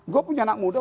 gue punya anak muda